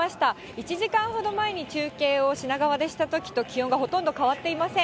１時間ほど前に中継を品川でしたときと、気温がほとんど変わっていません。